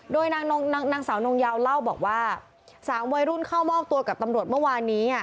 โดยนางสาวนงยาวเล่าบอกว่า๓วัยรุ่นเข้ามอบตัวกับตำรวจเมื่อวานนี้